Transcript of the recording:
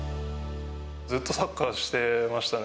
ずっとサッカーしてましたね。